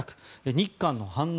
日韓の反応